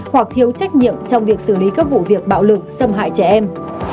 hoặc thiếu trách nhiệm trong việc xử lý các vụ việc bạo lực xâm hại trẻ em